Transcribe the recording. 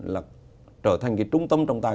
là trở thành cái trung tâm trọng tài